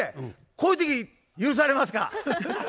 こういう時許されますか？